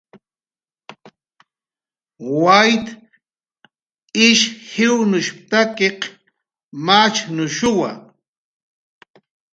"Waytq machnushuw ish jiwnushp""taki"